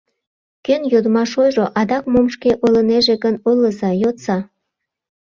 Кӧн йодмаш ойжо, адак мом шке ойлынеже гын, ойлыза, йодса.